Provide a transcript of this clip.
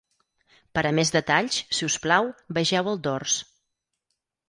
Per a més detalls, si us plau, vegeu el dors.